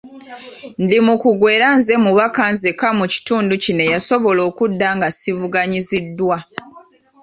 Ndi mukugu era nze mubaka nzekka mu kitundu kino eyasobola okudda nga sivuganyiziddwa.